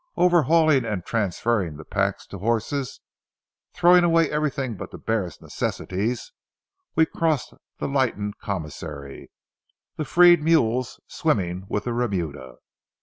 Overhauling and transferring the packs to horses, throwing away everything but the barest necessities, we crossed the lightened commissary, the freed mules swimming with the remuda.